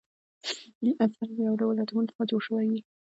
عنصر له یو ډول اتومونو څخه جوړ شوی وي.